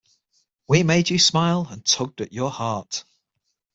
We made you smile and tugged at your heart.